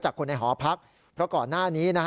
คนในหอพักเพราะก่อนหน้านี้